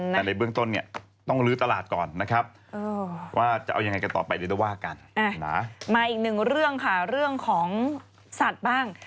แต่ในเบื้องต้นเนี่ยต้องลื้อตลาดก่อนนะครับว่าจะเอายังไงกันต่อไปเดี๋ยวจะว่ากันมาอีกหนึ่งเรื่องค่ะเรื่องของสัตว์บ้าง